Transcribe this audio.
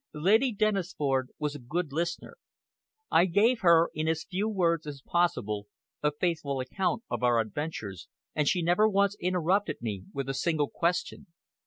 Lady Dennisford was a good listener. I gave her, in as few words as possible, a faithful account of our adventures, and she never once interrupted me with a single question.